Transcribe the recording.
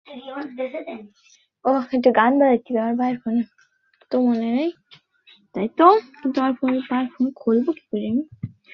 কিন্তু ততক্ষণে অনেক বিলম্ব হয়ে গেছে।